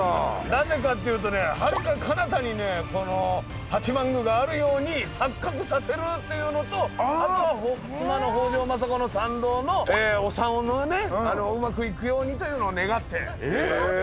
なぜかっていうとねはるかかなたにねこの八幡宮があるように錯覚させるっていうのとあとは妻の北条政子の産道のお産をうまくいくようにというのを願って。